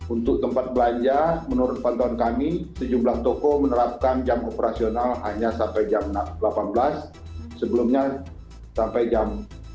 untuk tempat belanja menurut pantauan kami sejumlah toko menerapkan jam operasional hanya sampai jam delapan belas sebelumnya sampai jam